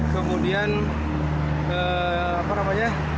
kemudian apa namanya